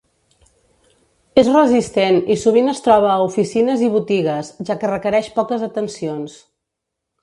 És resistent i sovint es troba a oficines i botigues, ja que requereix poques atencions.